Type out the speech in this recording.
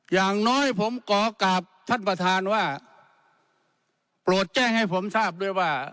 อย่างน้อยผมขอกลับท่านประธานว่าโปรดแจ้งให้ผมทราบด้วยว่า